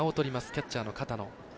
キャッチャーの片野。